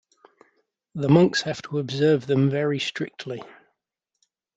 The monks have to observe them very strictly.